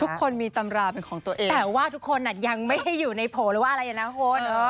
ทุกคนมีตำราเป็นของตัวเองแต่ว่าทุกคนยังไม่ได้อยู่ในโผล่หรือว่าอะไรนะคุณ